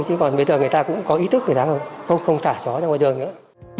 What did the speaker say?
chứ còn bây giờ người ta cũng có ý thức người ta không thả chó ra ngoài đường nữa